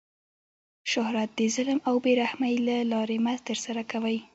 شهرت د ظلم او بې رحمۍ له لاري مه ترسره کوئ!